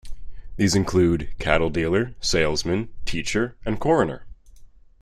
These include: cattle-dealer, salesman, teacher, and coroner.